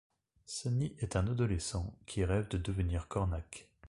Sunny est un adolescent, qui rêve de devenir cornac.